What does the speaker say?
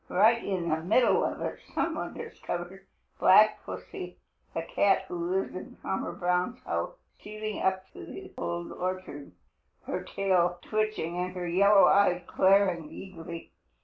Right in the midst of it some one discovered Black Pussy, the cat who lives in Farmer Brown's house, stealing up through the Old Orchard, her tail twitching and her yellow eyes glaring eagerly.